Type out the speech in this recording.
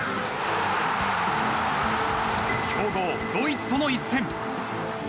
強豪ドイツとの一戦。